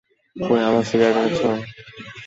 কই, আমার সিগারেট এনেছ?